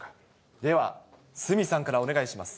では、鷲見さんからお願いします。